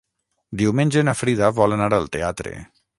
Diumenge na Frida vol anar al teatre.